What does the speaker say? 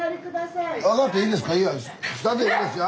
いや下でいいですよ